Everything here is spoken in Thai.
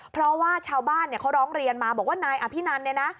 เพราะว่าชาวบ้านเขาร้องเรียนมาบอกว่านายอภินันเนี่ยนะ